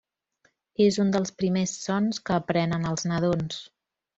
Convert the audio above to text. És un dels primers sons que aprenen els nadons.